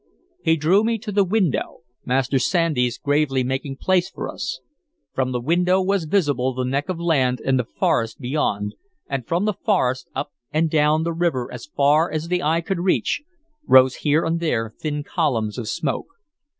He drew me to the window, Master Sandys gravely making place for us. From the window was visible the neck of land and the forest beyond, and from the forest, up and down the river as far as the eye could reach, rose here and there thin columns of smoke.